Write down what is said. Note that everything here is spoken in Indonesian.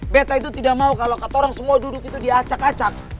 beta itu tidak mau kalau kata orang semua duduk itu diacak acak